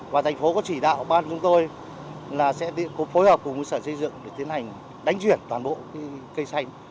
và thành phố có chỉ đạo ban chúng tôi là sẽ phối hợp cùng với sở xây dựng để tiến hành đánh chuyển toàn bộ cây xanh